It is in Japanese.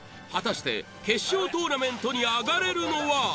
果たして決勝トーナメントに上がれるのは。